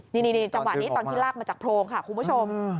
นี่จังหวะนี้ตอนที่ลากมาจากโพรงค่ะคุณผู้ชม